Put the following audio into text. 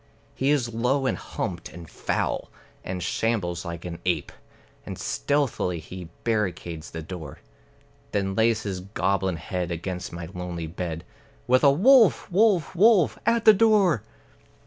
He is low and humped and foul, and shambles like an ape; And stealthily he barricades the door, Then lays his goblin head against my lonely bed, With a "Wolf, wolf, wolf," at the door!